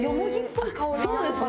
そうですね！